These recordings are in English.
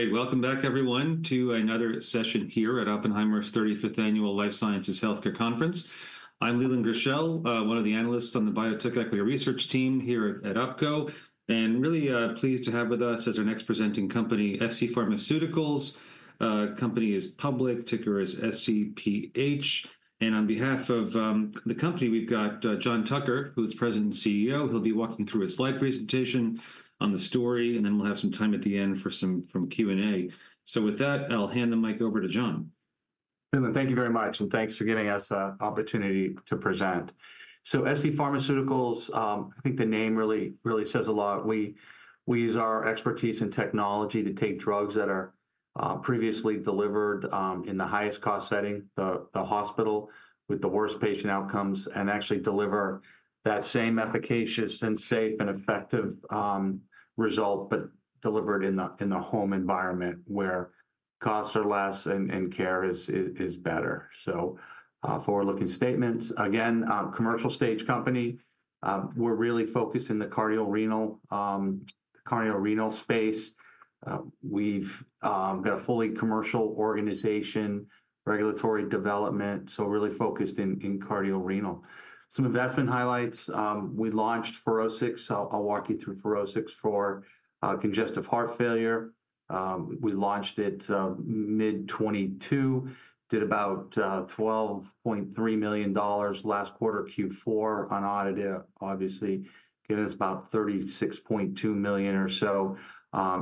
Great. Welcome back, everyone, to another session here at Oppenheimer's 35th Annual Healthcare Conference. I'm Leland Gershell, one of the analysts on the biotech equity research team here at Oppenheimer, and really pleased to have with us as our next presenting company, scPharmaceuticals. The company is public, ticker is SCPH. On behalf of the company, we've got John Tucker, who's President and CEO. He'll be walking through a slide presentation on the story, and then we'll have some time at the end for some Q&A. With that, I'll hand the mic over to John. Leland, thank you very much, and thanks for giving us an opportunity to present. scPharmaceuticals, I think the name really says a lot. We use our expertise in technology to take drugs that are previously delivered in the highest cost setting, the hospital with the worst patient outcomes, and actually deliver that same efficacious, safe, and effective result, but delivered in the home environment where costs are less and care is better. Forward-looking statements. Again, commercial stage company. We're really focused in the cardiorenal space. We've got a fully commercial organization, regulatory development, so really focused in cardiorenal. Some investment highlights. We launched Furoscix. I'll walk you through Furoscix for congestive heart failure. We launched it mid-2022, did about $12.3 million last quarter, Q4, unaudited, obviously gave us about $36.2 million or so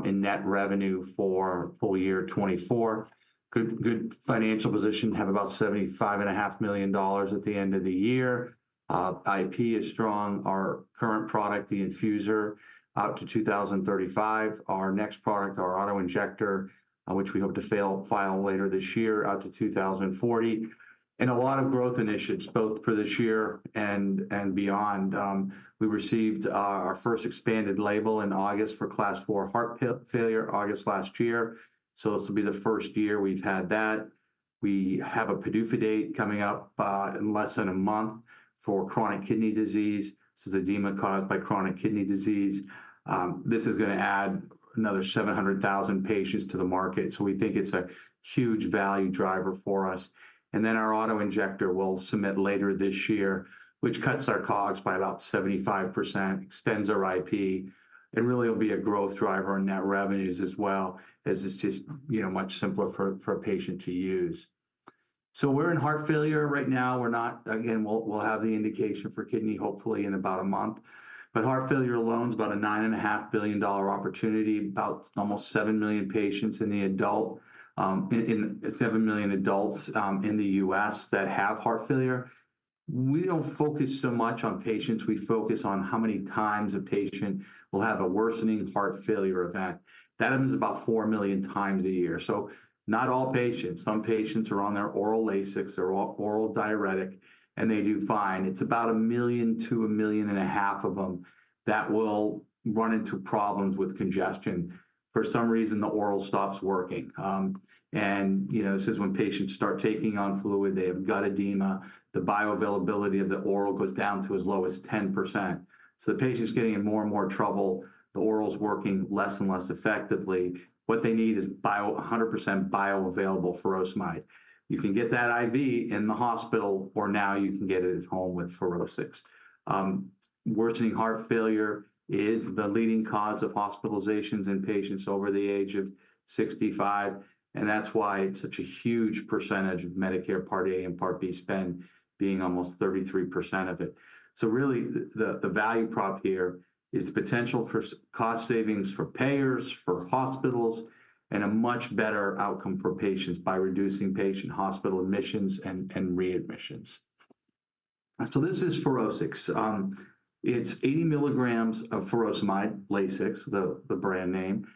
in net revenue for full year 2024. Good financial position, have about $75.5 million at the end of the year. IP is strong. Our current product, the infusor, out to 2035. Our next product, our auto-injector, which we hope to file later this year, out to 2040. A lot of growth initiatives both for this year and beyond. We received our first expanded label in August for Class IV heart failure, August last year. This will be the first year we've had that. We have a PDUFA date coming up in less than a month for chronic kidney disease. This is edema caused by chronic kidney disease. This is going to add another 700,000 patients to the market. We think it's a huge value driver for us. Our auto-injector we'll submit later this year, which cuts our costs by about 75%, extends our IP, and really will be a growth driver on net revenues as well, as it's just much simpler for a patient to use. We are in heart failure right now. We're not, again, we'll have the indication for kidney hopefully in about a month. Heart failure alone is about a $9.5 billion opportunity, about almost 7 million patients in the adult, in 7 million adults in the U.S. that have heart failure. We don't focus so much on patients. We focus on how many times a patient will have a worsening heart failure event. That means about 4 million times a year. Not all patients. Some patients are on their oral Lasix, their oral diuretic, and they do fine. It's about a million to a million and a half of them that will run into problems with congestion. For some reason, the oral stops working. This is when patients start taking on fluid, they have gut edema. The bioavailability of the oral goes down to as low as 10%. The patient's getting in more and more trouble. The oral's working less and less effectively. What they need is 100% bioavailable furosemide. You can get that IV in the hospital or now you can get it at home with Furoscix. Worsening heart failure is the leading cause of hospitalizations in patients over the age of 65. That's why it's such a huge percentage of Medicare Part A and Part B spend, being almost 33% of it. Really, the value prop here is the potential for cost savings for payers, for hospitals, and a much better outcome for patients by reducing patient hospital admissions and readmissions. This is Furoscix. It's 80 milligrams of furosemide, Lasix, the brand name,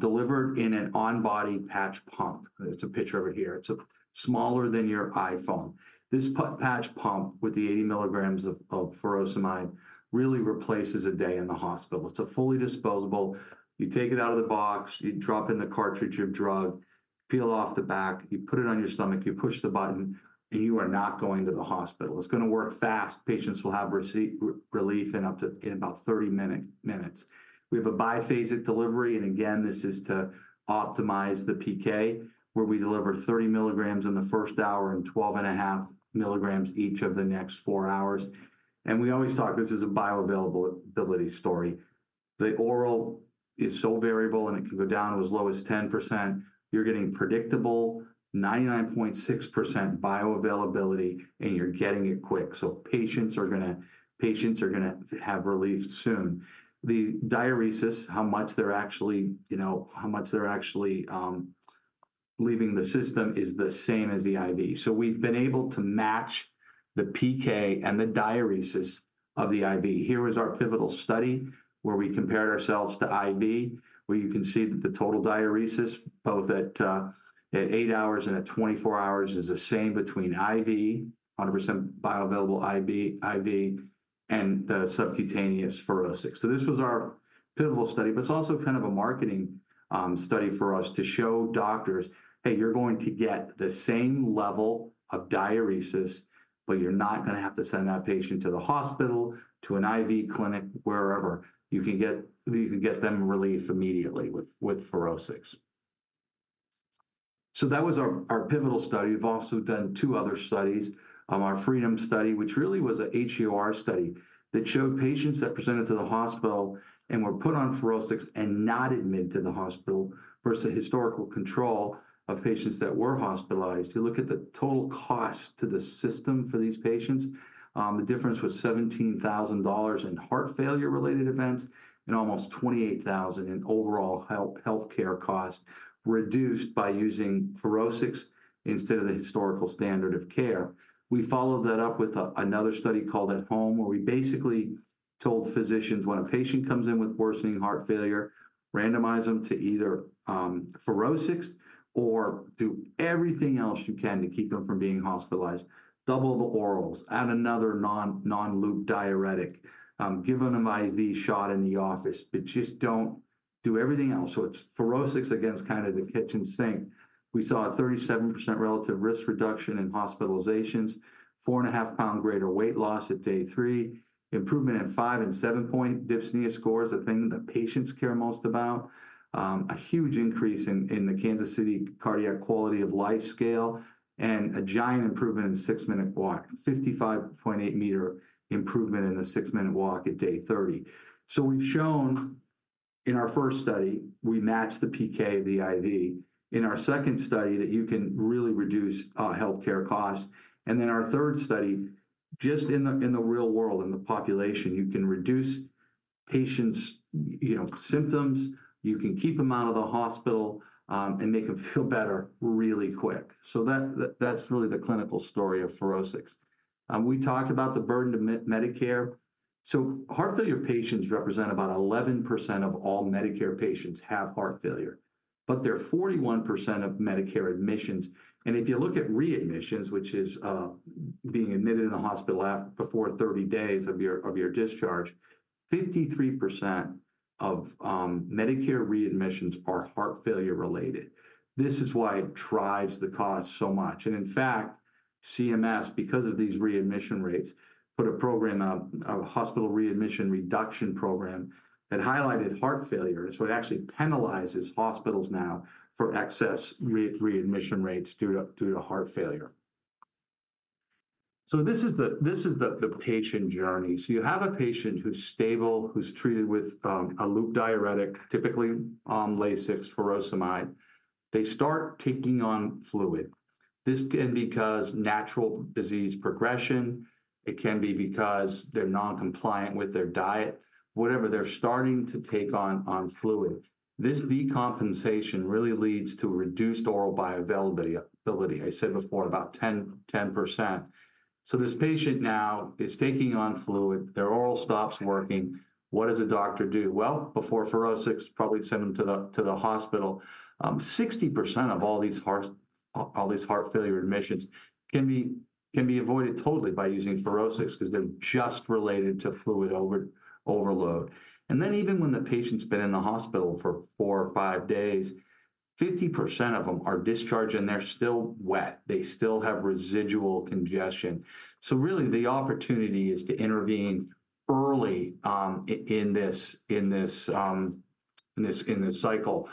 delivered in an on-body patch pump. It's a picture over here. It's smaller than your iPhone. This patch pump with the 80 milligrams of furosemide really replaces a day in the hospital. It's fully disposable. You take it out of the box, you drop in the cartridge of drug, peel off the back, you put it on your stomach, you push the button, and you are not going to the hospital. It's going to work fast. Patients will have relief in about 30 minutes. We have a biphasic delivery. This is to optimize the PK, where we deliver 30 milligrams in the first hour and 12.5 milligrams each of the next four hours. We always talk, this is a bioavailability story. The oral is so variable and it can go down to as low as 10%. You're getting predictable 99.6% bioavailability and you're getting it quick. Patients are going to have relief soon. The diuresis, how much they're actually leaving the system, is the same as the IV. We've been able to match the PK and the diuresis of the IV. Here was our pivotal study where we compared ourselves to IV, where you can see that the total diuresis both at eight hours and at 24 hours is the same between IV, 100% bioavailable IV, and the subcutaneous Furoscix. This was our pivotal study, but it's also kind of a marketing study for us to show doctors, "Hey, you're going to get the same level of diuresis, but you're not going to have to send that patient to the hospital, to an IV clinic, wherever. You can get them relief immediately with Furoscix." That was our pivotal study. We've also done two other studies. Our FREEDOM study, which really was an HRU study, showed patients that presented to the hospital and were put on Furoscix and not admitted to the hospital versus a historical control of patients that were hospitalized. You look at the total cost to the system for these patients. The difference was $17,000 in heart failure-related events and almost $28,000 in overall healthcare costs reduced by using Furoscix instead of the historical standard of care. We followed that up with another study called AT HOME where we basically told physicians, "When a patient comes in with worsening heart failure, randomize them to either Furoscix or do everything else you can to keep them from being hospitalized. Double the orals, add another non-loop diuretic, give them an IV shot in the office, but just don't do everything else." It is Furoscix against kind of the kitchen sink. We saw a 37% relative risk reduction in hospitalizations, 4.5-pound greater weight loss at day three, improvement in five and seven-point dyspnea score is the thing that patients care most about, a huge increase in the Kansas City cardiac quality of life scale, and a giant improvement in a six-minute walk, 55.8-meter improvement in a six-minute walk at day 30. We have shown in our first study, we matched the PK of the IV. In our second study, that you can really reduce healthcare costs. In our third study, just in the real world, in the population, you can reduce patients' symptoms, you can keep them out of the hospital and make them feel better really quick. That is really the clinical story of Furoscix. We talked about the burden to Medicare. Heart failure patients represent about 11% of all Medicare patients have heart failure, but they are 41% of Medicare admissions. If you look at readmissions, which is being admitted in the hospital before 30 days of your discharge, 53% of Medicare readmissions are heart failure-related. This is why it drives the cost so much. In fact, CMS, because of these readmission rates, put a program, a Hospital Readmissions Reduction Program that highlighted heart failure. It actually penalizes hospitals now for excess readmission rates due to heart failure. This is the patient journey. You have a patient who's stable, who's treated with a loop diuretic, typically Lasix, furosemide. They start taking on fluid. This can be because of natural disease progression. It can be because they're non-compliant with their diet, whatever. They're starting to take on fluid. This decompensation really leads to reduced oral bioavailability. I said before about 10%. This patient now is taking on fluid. Their oral stops working. What does the doctor do? Before Furoscix, probably send them to the hospital. 60% of all these heart failure admissions can be avoided totally by using Furoscix because they're just related to fluid overload. Even when the patient's been in the hospital for four or five days, 50% of them are discharged and they're still wet. They still have residual congestion. Really, the opportunity is to intervene early in this cycle.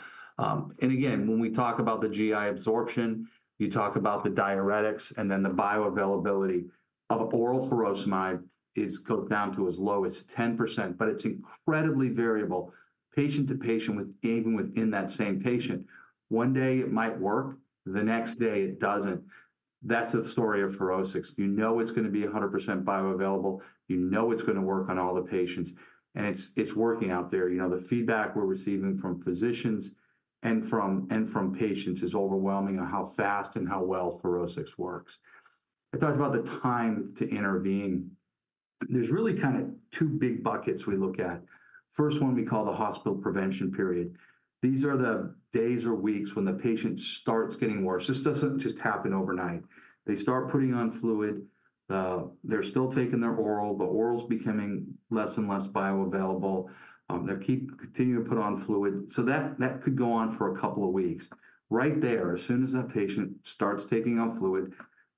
Again, when we talk about the GI absorption, you talk about the diuretics, and then the bioavailability of oral furosemide goes down to as low as 10%, but it's incredibly variable patient to patient, even within that same patient. One day it might work. The next day it doesn't. That's the story of Furoscix. You know it's going to be 100% bioavailable. You know it's going to work on all the patients. And it's working out there. The feedback we're receiving from physicians and from patients is overwhelming on how fast and how well Furoscix works. I talked about the time to intervene. There's really kind of two big buckets we look at. First one, we call the hospital prevention period. These are the days or weeks when the patient starts getting worse. This doesn't just happen overnight. They start putting on fluid. They're still taking their oral. The oral's becoming less and less bioavailable. They're continuing to put on fluid. That could go on for a couple of weeks. Right there, as soon as that patient starts taking on fluid,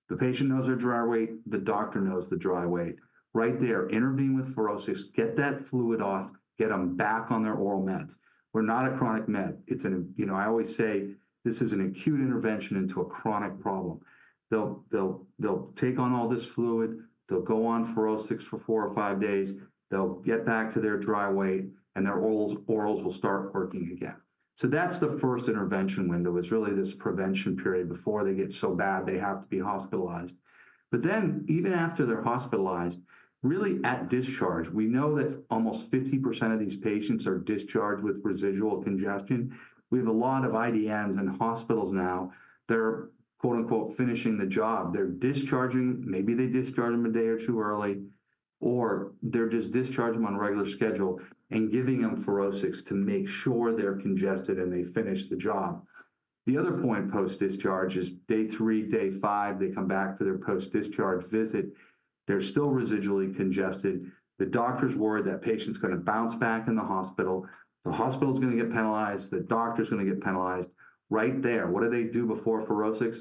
the patient knows their dry weight. The doctor knows the dry weight. Right there, intervene with Furoscix. Get that fluid off. Get them back on their oral meds. We're not a chronic med. I always say this is an acute intervention into a chronic problem. They'll take on all this fluid. They'll go on Furoscix for four or five days. They'll get back to their dry weight, and their orals will start working again. That's the first intervention window. It's really this prevention period before they get so bad they have to be hospitalized. Even after they're hospitalized, really at discharge, we know that almost 50% of these patients are discharged with residual congestion. We have a lot of IDNs in hospitals now. They're "finishing the job." They're discharging. Maybe they discharge them a day or two early, or they're just discharging them on a regular schedule and giving them Furoscix to make sure they're congested and they finish the job. The other point post-discharge is day three, day five. They come back for their post-discharge visit. They're still residually congested. The doctor's worried that patient's going to bounce back in the hospital. The hospital's going to get penalized. The doctor's going to get penalized. Right there, what do they do before Furoscix?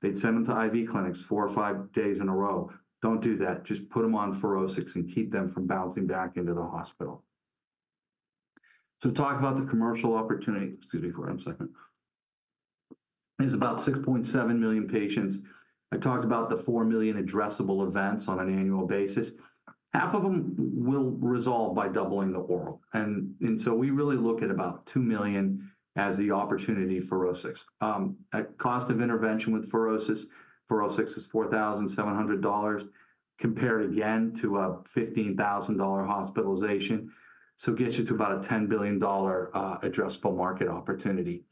They'd send them to IV clinics four or five days in a row. Don't do that. Just put them on Furoscix and keep them from bouncing back into the hospital. Talk about the commercial opportunity. Excuse me, for one second. There are about 6.7 million patients. I talked about the 4 million addressable events on an annual basis. Half of them will resolve by doubling the oral. We really look at about 2 million as the opportunity for Furoscix. At cost of intervention with Furoscix, Furoscix is $4,700 compared again to a $15,000 hospitalization. It gets you to about a $10 billion addressable market opportunity.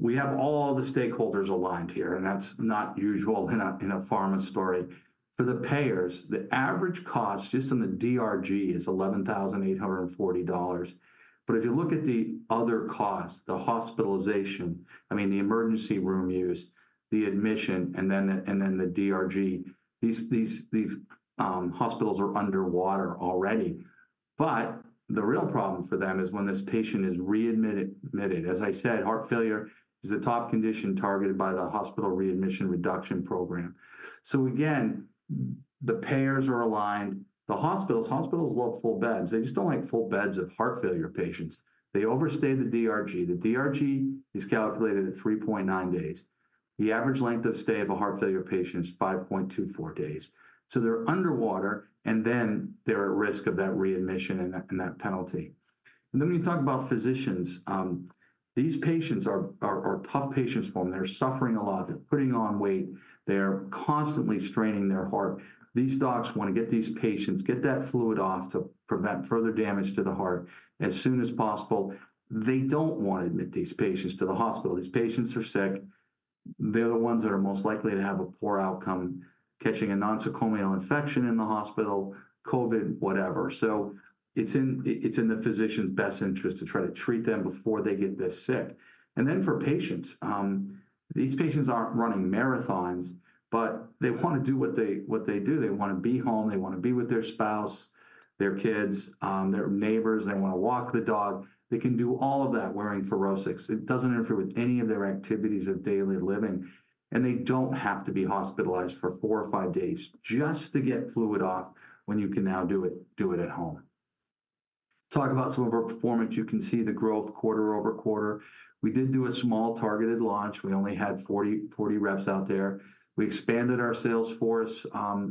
We have all the stakeholders aligned here, and that's not usual in a pharma story. For the payers, the average cost just on the DRG is $11,840. If you look at the other costs, the hospitalization, I mean, the emergency room use, the admission, and then the DRG, these hospitals are underwater already. The real problem for them is when this patient is readmitted. As I said, heart failure is the top condition targeted by the Hospital Readmissions Reduction Program. Again, the payers are aligned. The hospitals, hospitals love full beds. They just do not like full beds of heart failure patients. They overstay the DRG. The DRG is calculated at 3.9 days. The average length of stay of a heart failure patient is 5.24 days. They are underwater, and they are at risk of that readmission and that penalty. When you talk about physicians, these patients are tough patients for them. They are suffering a lot. They are putting on weight. They are constantly straining their heart. These docs want to get these patients, get that fluid off to prevent further damage to the heart as soon as possible. They do not want to admit these patients to the hospital. These patients are sick. They're the ones that are most likely to have a poor outcome, catching a nosocomial infection in the hospital, COVID, whatever. It is in the physician's best interest to try to treat them before they get this sick. For patients, these patients aren't running marathons, but they want to do what they do. They want to be home. They want to be with their spouse, their kids, their neighbors. They want to walk the dog. They can do all of that wearing Furoscix. It doesn't interfere with any of their activities of daily living. They don't have to be hospitalized for four or five days just to get fluid off when you can now do it AT HOME. Talk about some of our performance. You can see the growth quarter over quarter. We did do a small targeted launch. We only had 40 reps out there. We expanded our sales force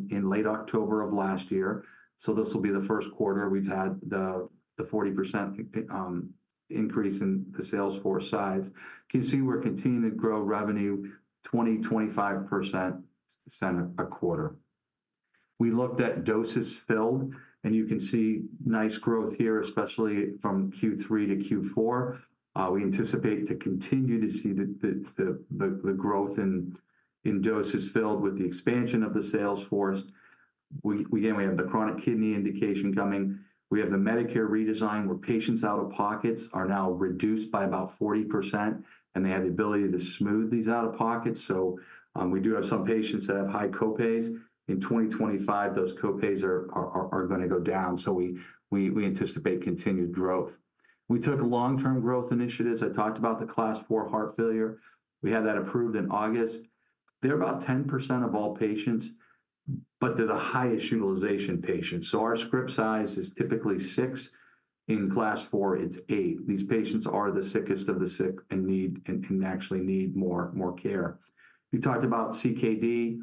in late October of last year. This will be the first quarter we've had the 40% increase in the sales force size. You can see we're continuing to grow revenue 20-25% a quarter. We looked at doses filled, and you can see nice growth here, especially from Q3 to Q4. We anticipate to continue to see the growth in doses filled with the expansion of the sales force. We have the chronic kidney indication coming. We have the Medicare redesign where patients out-of-pockets are now reduced by about 40%, and they have the ability to smooth these out-of-pockets. We do have some patients that have high copays. In 2025, those copays are going to go down. We anticipate continued growth. We took long-term growth initiatives. I talked about the Class IV heart failure. We had that approved in August. They're about 10% of all patients, but they're the highest utilization patients. So our script size is typically six. In Class IV, it's eight. These patients are the sickest of the sick and actually need more care. We talked about CKD.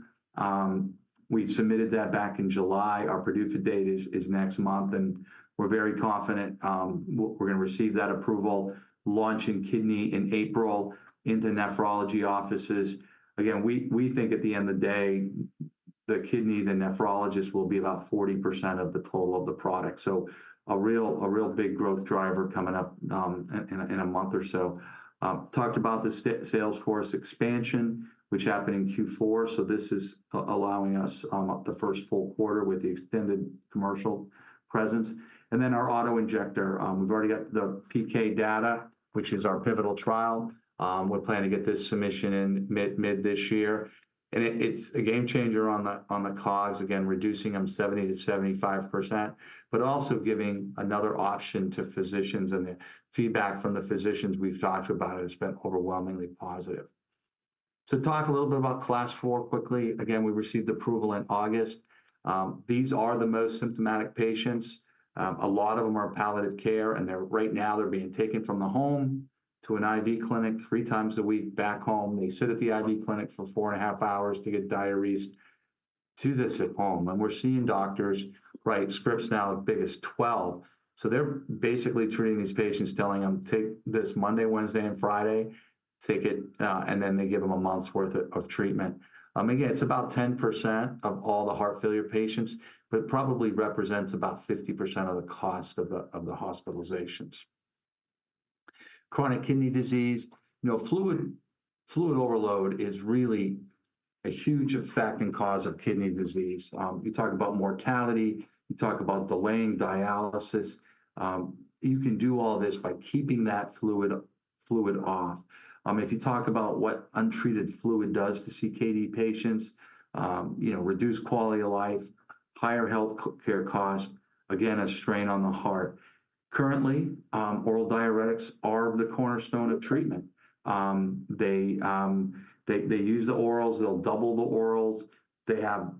We submitted that back in July. Our PDUFA date is next month, and we're very confident we're going to receive that approval, launching kidney in April in the nephrology offices. Again, we think at the end of the day, the kidney, the nephrologist will be about 40% of the total of the product. A real big growth driver coming up in a month or so. Talked about the sales force expansion, which happened in Q4. This is allowing us the first full quarter with the extended commercial presence. Our auto-injector, we've already got the PK data, which is our pivotal trial. We're planning to get this submission in mid this year. It's a game changer on the cause, again, reducing them 70-75%, but also giving another option to physicians. The feedback from the physicians we've talked about has been overwhelmingly positive. Talk a little bit about Class IV quickly. Again, we received approval in August. These are the most symptomatic patients. A lot of them are palliative care, and right now they're being taken from the home to an IV clinic three times a week back home. They sit at the IV clinic for four and a half hours to get diuresed to this AT HOME. We're seeing doctors write scripts now as big as 12. They're basically treating these patients, telling them, "Take this Monday, Wednesday, and Friday. Take it," and then they give them a month's worth of treatment. Again, it's about 10% of all the heart failure patients, but it probably represents about 50% of the cost of the hospitalizations. Chronic kidney disease. Fluid overload is really a huge effect and cause of kidney disease. You talk about mortality. You talk about delaying dialysis. You can do all this by keeping that fluid off. If you talk about what untreated fluid does to CKD patients, reduced quality of life, higher healthcare costs, again, a strain on the heart. Currently, oral diuretics are the cornerstone of treatment. They use the orals. They'll double the orals. They have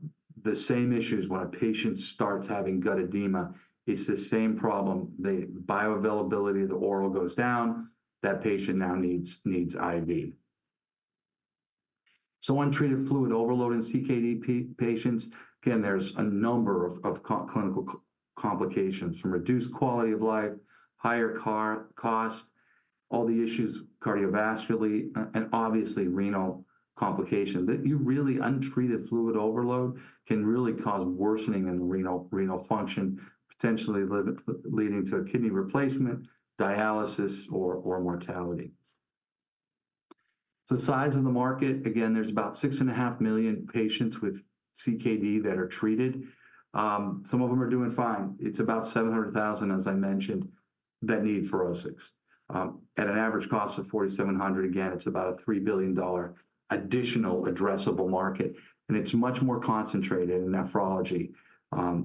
the same issues when a patient starts having gut edema. It's the same problem. The bioavailability of the oral goes down. That patient now needs IV. Untreated fluid overload in CKD patients. Again, there's a number of clinical complications from reduced quality of life, higher cost, all the issues cardiovascularly, and obviously renal complications. You really untreated fluid overload can really cause worsening in renal function, potentially leading to a kidney replacement, dialysis, or mortality. The size of the market, again, there's about 6.5 million patients with CKD that are treated. Some of them are doing fine. It's about 700,000, as I mentioned, that need Furoscix. At an average cost of $4,700, again, it's about a $3 billion additional addressable market. It's much more concentrated in nephrology.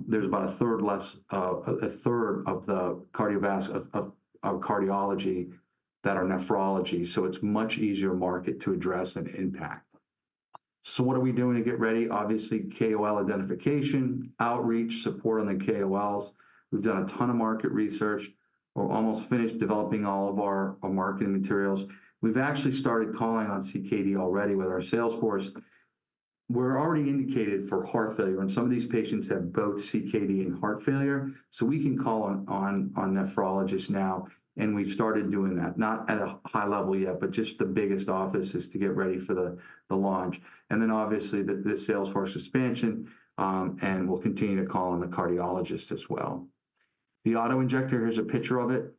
There's about a third, a third of the cardiovascular of cardiology that are nephrology. It's a much easier market to address and impact. What are we doing to get ready? Obviously, KOL identification, outreach, support on the KOLs. We've done a ton of market research. We're almost finished developing all of our marketing materials. We've actually started calling on CKD already with our sales force. We're already indicated for heart failure. Some of these patients have both CKD and heart failure. We can call on nephrologists now. We've started doing that, not at a high level yet, but just the biggest offices to get ready for the launch. Obviously the sales force expansion. We'll continue to call on the cardiologist as well. The auto-injector, here's a picture of it.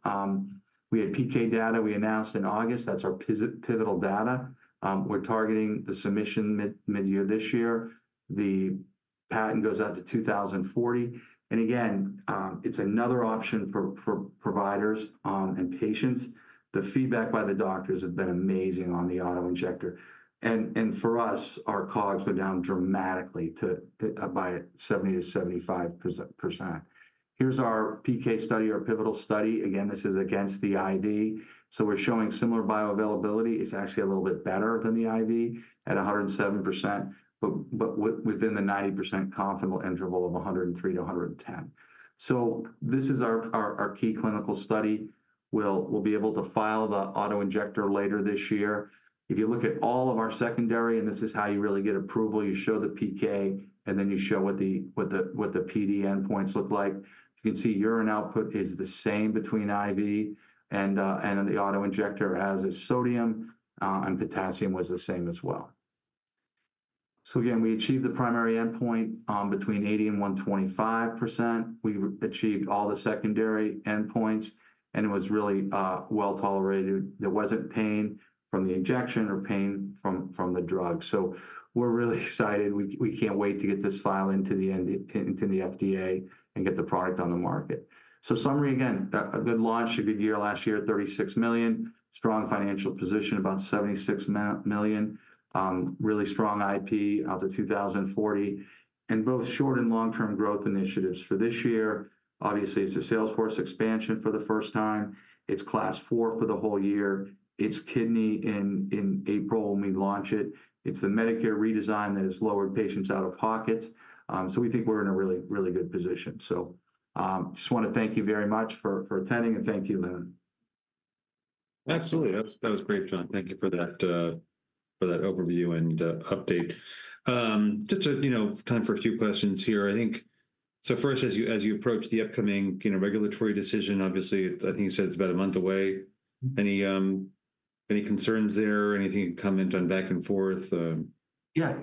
We had PK data we announced in August. That's our pivotal data. We're targeting the submission mid-year this year. The patent goes out to 2040. Again, it's another option for providers and patients. The feedback by the doctors has been amazing on the auto-injector. For us, our costs went down dramatically by 70-75%. Here is our PK study, our pivotal study. Again, this is against the IV. We are showing similar bioavailability. It is actually a little bit better than the IV at 107%, but within the 90% confidence interval of 103-110. This is our key clinical study. We will be able to file the auto-injector later this year. If you look at all of our secondary, and this is how you really get approval. You show the PK, and then you show what the PD endpoints look like. You can see urine output is the same between IV and the auto-injector, as is sodium, and potassium was the same as well. We achieved the primary endpoint between 80-125%. We achieved all the secondary endpoints, and it was really well tolerated. There wasn't pain from the injection or pain from the drug. We're really excited. We can't wait to get this filed into the FDA and get the product on the market. Summary again, a good launch, a good year last year, $36 million, strong financial position, about $76 million, really strong IP out to 2040, and both short and long-term growth initiatives for this year. Obviously, it's a sales force expansion for the first time. It's Class IV for the whole year. It's kidney in April when we launch it. It's the Medicare redesign that has lowered patients' out-of-pockets. We think we're in a really, really good position. I just want to thank you very much for attending, and thank you, Leland. Absolutely. That was great, John. Thank you for that overview and update. Just to, you know, it's time for a few questions here. I think, so first, as you approach the upcoming regulatory decision, obviously, I think you said it's about a month away. Any concerns there? Anything to comment on back and forth? Yeah,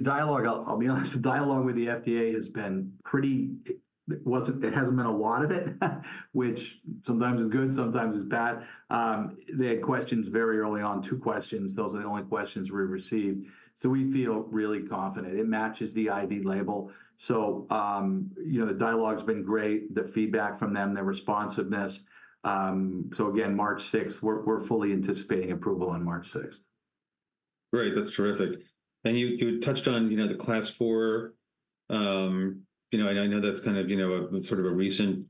dialogue, I'll be honest, dialogue with the FDA has been pretty, it hasn't been a lot of it, which sometimes is good, sometimes is bad. They had questions very early on, two questions. Those are the only questions we received. So we feel really confident. It matches the IV label. The dialogue has been great, the feedback from them, their responsiveness. March 6th, we're fully anticipating approval on March 6th. Right, that's terrific. You touched on the Class IV. I know that's kind of sort of a recent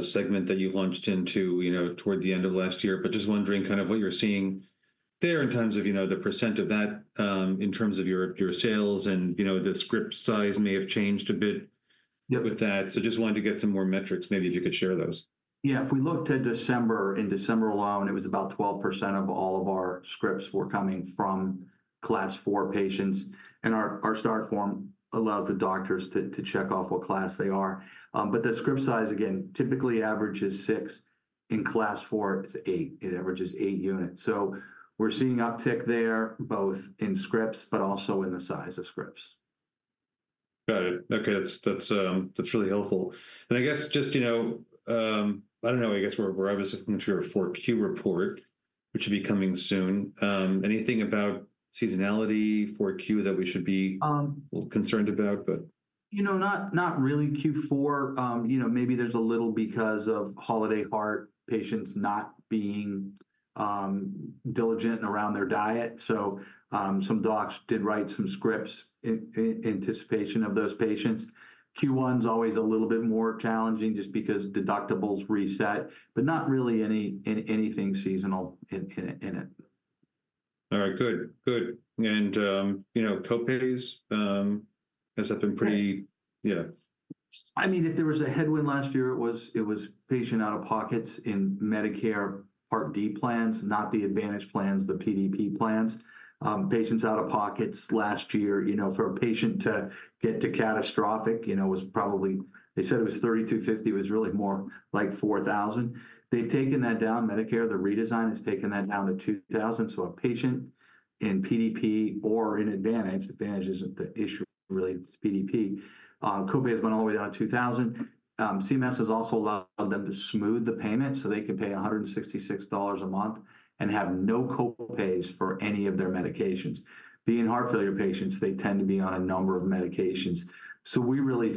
segment that you've launched into towards the end of last year, but just wondering kind of what you're seeing there in terms of the percent of that in terms of your sales, and the script size may have changed a bit with that. Just wanted to get some more metrics, maybe if you could share those. Yeah, if we looked at December, in December alone, it was about 12% of all of our scripts were coming from Class IV patients. Our start form allows the doctors to check off what class they are. The script size, again, typically averages six. In Class IV, it's eight. It averages eight units. We're seeing uptick there, both in scripts, but also in the size of scripts. Got it. Okay, that's really helpful. I guess just, you know, I don't know, I guess we're obviously coming to our Q4 report, which should be coming soon. Anything about seasonality for Q that we should be concerned about? You know, not really Q4. You know, maybe there's a little because of holiday heart patients not being diligent around their diet. So some docs did write some scripts in anticipation of those patients. Q1 is always a little bit more challenging just because deductibles reset, but not really anything seasonal in it. All right, good. Good. You know, copays, as I've been pretty, yeah. I mean, if there was a headwind last year, it was patient out-of-pockets in Medicare Part D plans, not the Advantage plans, the PDP plans. Patients out-of-pockets last year, you know, for a patient to get to catastrophic, you know, was probably, they said it was $3,250. It was really more like $4,000. They've taken that down. Medicare, the redesign has taken that down to $2,000. So a patient in PDP or in Advantage, Advantage isn't the issue really, it's PDP. Copay has been all the way down to $2,000. CMS has also allowed them to smooth the payment so they can pay $166 a month and have no copays for any of their medications. Being heart failure patients, they tend to be on a number of medications. We really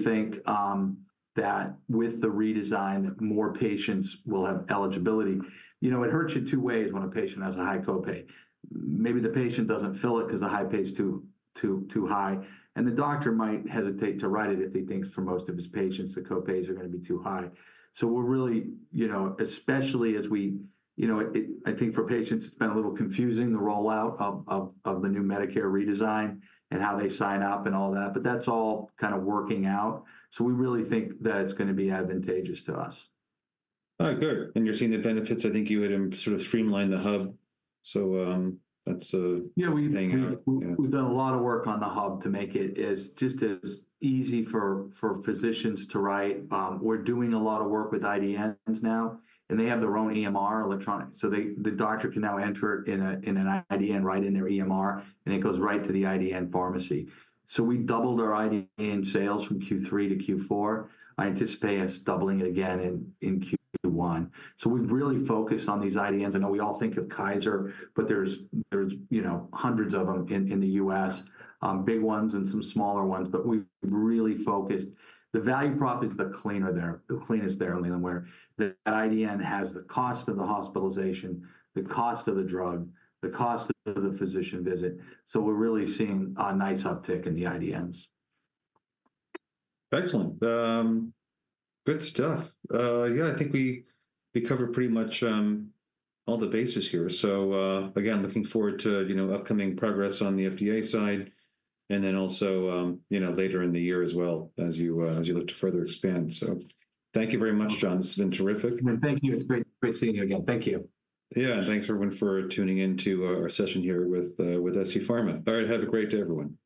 think that with the redesign, more patients will have eligibility. You know, it hurts you two ways when a patient has a high copay. Maybe the patient doesn't fill it because the high pay is too high. The doctor might hesitate to write it if he thinks for most of his patients the copays are going to be too high. We are really, you know, especially as we, you know, I think for patients, it's been a little confusing, the rollout of the new Medicare redesign and how they sign up and all that, but that's all kind of working out. We really think that it's going to be advantageous to us. All right, good. You are seeing the benefits. I think you had sort of streamlined the hub. That's a thing out. Yeah, we've done a lot of work on the hub to make it just as easy for physicians to write. We are doing a lot of work with IDNs now, and they have their own EMR electronic. The doctor can now enter it in an IDN right in their EMR, and it goes right to the IDN pharmacy. We doubled our IDN sales from Q3 to Q4. I anticipate us doubling it again in Q1. We have really focused on these IDNs. I know we all think of Kaiser, but there are, you know, hundreds of them in the U.S., big ones and some smaller ones, but we have really focused. The value prop is the cleaner there, the cleanest there, Leland, where the IDN has the cost of the hospitalization, the cost of the drug, the cost of the physician visit. We are really seeing a nice uptick in the IDNs. Excellent. Good stuff. I think we covered pretty much all the bases here. Again, looking forward to upcoming progress on the FDA side, and then also, you know, later in the year as well, as you look to further expand. Thank you very much, John. This has been terrific. Thank you. It's great seeing you again. Thank you. Yeah, and thanks everyone for tuning into our session here with scPharmaceuticals. All right, have a great day, everyone.